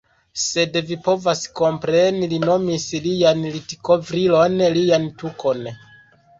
Sed vi povas kompreni. Li nomis lian litkovrilon... lian tukon.